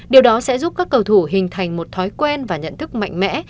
điều đó sẽ giúp các cầu thủ hình thành một thói quen và nhận thức mạnh mẽ